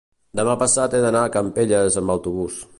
demà passat he d'anar a Campelles amb autobús.